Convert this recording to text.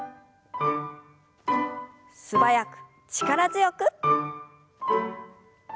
素早く力強く。